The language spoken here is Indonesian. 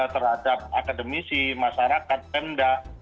terhadap akademisi masyarakat pemda